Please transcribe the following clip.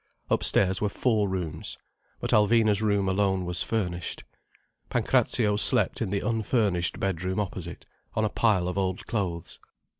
Upstairs were four rooms. But Alvina's room alone was furnished. Pancrazio slept in the unfurnished bedroom opposite, on a pile of old clothes.